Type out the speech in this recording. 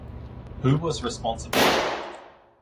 Who was responsible?